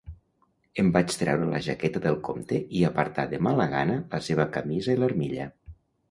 Em vaig treure la jaqueta del comte i apartar de mala gana la seva camisa i l'armilla.